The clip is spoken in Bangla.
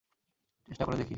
চেষ্টা করে দেখি।